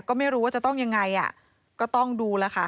ก็ไม่รู้ว่าจะต้องยังไงก็ต้องดูแล้วค่ะ